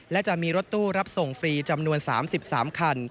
และจะมีรถตู้รับส่งฟรีจำนวน๓๓คัน